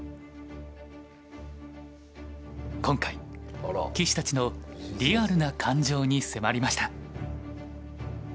今回棋士たちのリアルな感情に迫りました。